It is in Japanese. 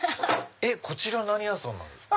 こちら何屋さんなんですか？